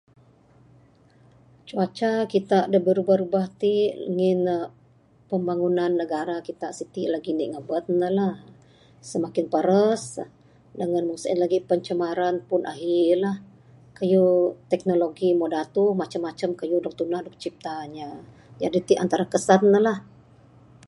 Cuaca kita da birubah rubah ti ngin ne pembangunan negara kita siti lagi ndi ngaban ne lah. Semakin paras dangan meng sien lagi pencemaran pun ahi lah. Kayuh teknologi meh datuh, macam macam kayuh dog tunah, dog cipta inya. Jaji ti antara kesan ne la.